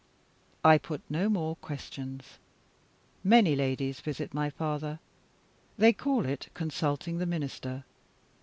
I put no more questions. Many ladies visit my father. They call it consulting the Minister.